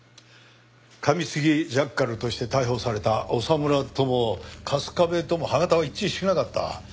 かみつきジャッカルとして逮捕された長村とも春日部とも歯形は一致しなかった。